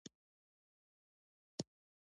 په افغانستان کې د کندز سیند ډېرې منابع شته.